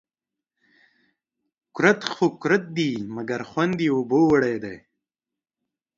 کورت خو کورت دي ، مگر خوند يې اوبو وړى دى